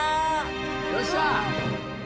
よっしゃ！